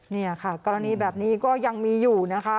นี่ค่ะกรณีแบบนี้ก็ยังมีอยู่นะคะ